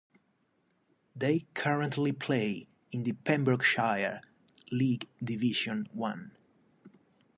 They currently play in the Pembrokeshire League Division One.